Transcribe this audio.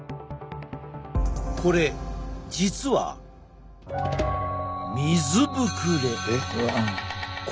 これ実は水ぶくれ。